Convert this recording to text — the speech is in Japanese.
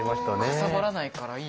かさばらないからいいですね。